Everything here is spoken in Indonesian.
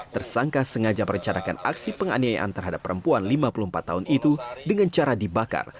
tersangka sengaja merencanakan aksi penganiayaan terhadap perempuan lima puluh empat tahun itu dengan cara dibakar